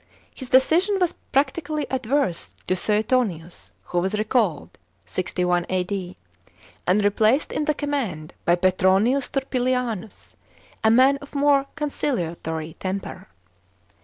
His decision was practically adverse to Suetonius, who was recalled (61 A.D.) aiid replaced ill the command by Petroniuo Turpilianus, a man of more conciliatory temper.